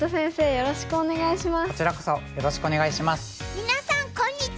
よろしくお願いします。